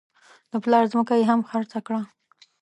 د پلار ځمکه یې هم خرڅه کړه.